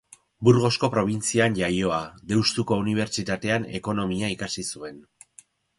Burgosko probintzian jaioa, Deustuko Unibertsitatean ekonomia ikasi zuen.